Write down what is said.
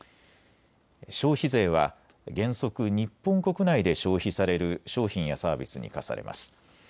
消費税は原則、日本国内で消費される商品やサービスに課されます。